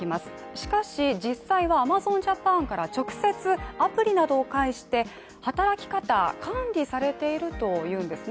しかし実際はアマゾンジャパンから直接アプリなどを介して働き方が管理されているというんですね。